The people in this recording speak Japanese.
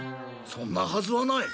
そんなはずはない！